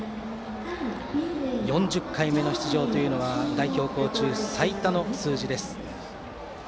４０回目の出場というのは代表校中最多の数字です。